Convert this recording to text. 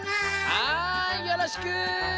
はいよろしく！